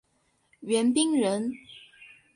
袁彬人。